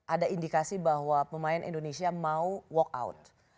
ada indikasi bahwa pemain indonesia mau walk out